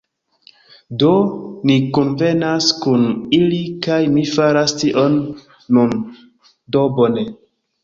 Do, ni kunvenas kun ili kaj mi faras tion nun. Do bone.